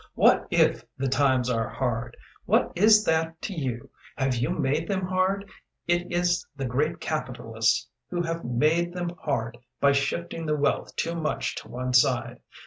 "What if the times are hard? What is that to you? Have you made them hard? It is the great capitalists who have made them hard by shifting the wealth too much to one side.